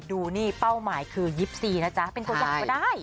ดูนี่เป้าหมายคือยิปซีนะจ๊ะเป็นตัวใหญ่กว่าได้